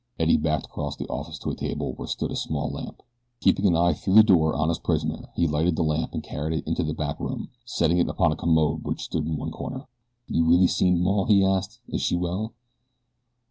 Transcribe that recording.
Eddie backed across the office to a table where stood a small lamp. Keeping an eye through the door on his prisoner he lighted the lamp and carried it into the back room, setting it upon a commode which stood in one corner. "You really seen maw?" he asked. "Is she well?"